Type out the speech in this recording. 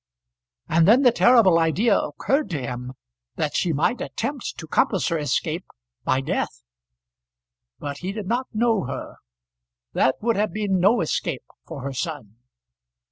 And then the terrible idea occurred to him that she might attempt to compass her escape by death. But he did not know her. That would have been no escape for her son.